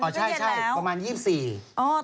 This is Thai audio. อ๋อใช่ประมาณ๒๔องศา